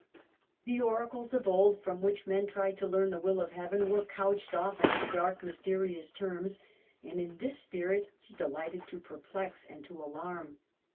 The oracles of old, from which men tried to learn the will of heaven, were couched often in dark mys affected terious terms, and in this spirit he delighted the*auaent^^ to perplex and to alarm.